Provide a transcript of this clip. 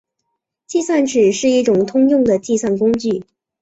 计算尺是一种通用的计算工具。